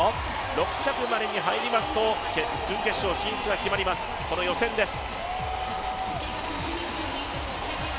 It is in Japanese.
６着までに入りますと準決勝進出が決まります、この予選です。